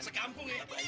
sekampung ya mbak